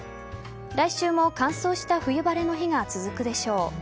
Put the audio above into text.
来週も、乾燥した冬晴れの日が続くでしょう。